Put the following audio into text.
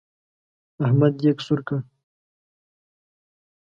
احمد دېګ سور کړ.